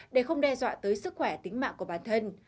để không đe dọa tới sức khỏe tính mạng của bản thân